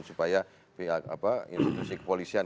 supaya institusi kepolisian